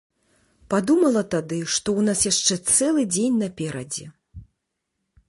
Падумала тады, што ў нас яшчэ цэлы дзень наперадзе.